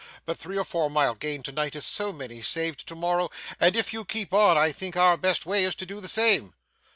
But three or four mile gained to night is so many saved to morrow, and if you keep on, I think our best way is to do the same.